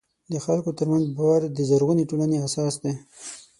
د خلکو ترمنځ باور د زرغونې ټولنې اساس دی.